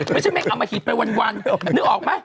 ไม่ใช่แม่งเอามาหิดไปวันนึกออกไหม